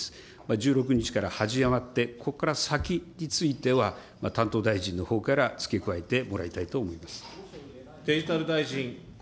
１６日から始まって、ここから先については、担当大臣のほうから付け加えてもらいたいと思います。